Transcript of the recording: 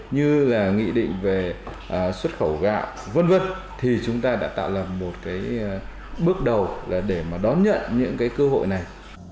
như là nghị định về xuất khẩu gạo v v thì chúng ta đã tạo ra một bước đầu để đón nhận những cơ hội này